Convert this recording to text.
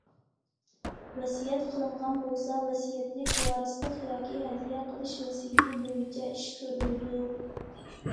ۋەسىيەت قىلىنغان بولسا، ۋەسىيەتلىك ۋارىسلىق ياكى ھەدىيە قىلىش ۋەسىيىتى بويىچە ئىش كۆرۈلىدۇ.